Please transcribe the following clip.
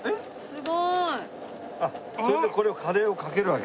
すごい！あっそれでこれをカレーをかけるわけだ。